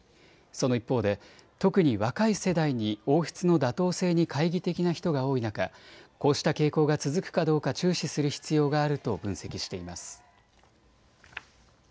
その一方で特に若い世代に王室の妥当性に懐疑的な人が多い中、こうした傾向が続くかどうか注視する必要があると分析しています。